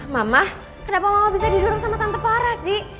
mama kenapa mama bisa didorong sama tante para sih